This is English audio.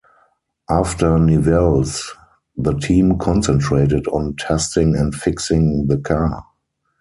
After Nivelles, the team concentrated on testing and fixing the car.